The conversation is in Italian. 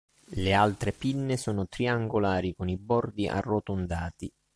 Le altre pinne sono triangolari con i bordi arrotondati.